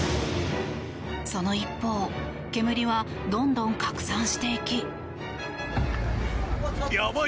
その一方煙はどんどん拡散していき。